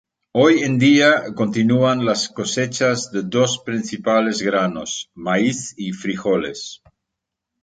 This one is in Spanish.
Hoy en día continúan las cosechas de dos principales granos, maíz y frijoles.